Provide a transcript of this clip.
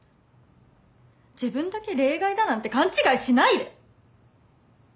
自分だけ例外だなんて勘違いしないで。